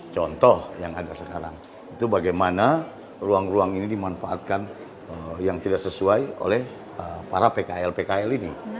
contoh yang ada sekarang itu bagaimana ruang ruang ini dimanfaatkan yang tidak sesuai oleh para pkl pkl ini